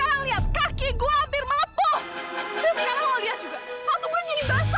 sekarang lo bersih